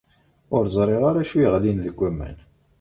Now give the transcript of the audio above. Ur zṛiɣ ara acu yeɣlin deg waman.